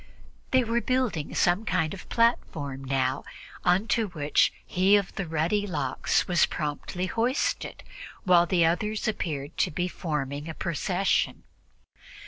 They were building some kind of a platform now, on to which he of the ruddy locks was promptly hoisted, while the others appeared to be forming a procession.